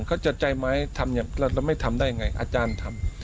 เขาจะใจไม้ทำอย่างเราไม่ทำได้อย่างไรอาจารย์ทำ